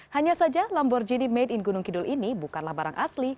hanya saja lamborghini made in gunung kidul ini bukanlah barang asli